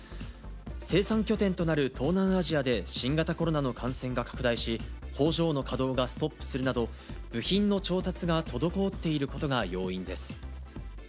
生産拠点となる東南アジアで新型コロナの感染が拡大し、工場の稼働がストップするなど、部品の調達が滞っていることが要因です。